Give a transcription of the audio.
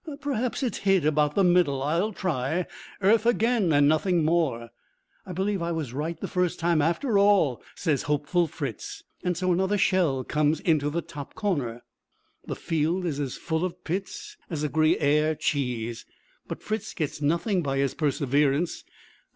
'Perhaps it's hid about the middle. I'll try.' Earth again, and nothing more. 'I believe I was right the first time after all,' says hopeful Fritz. So another shell comes into the top corner. The field is as full of pits as a Gruyère cheese, but Fritz gets nothing by his perseverance.